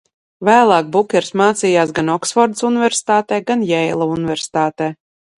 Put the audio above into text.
Vēlāk Bukers mācījās gan Oksfordas Universitātē, gan Jeila Universitātē.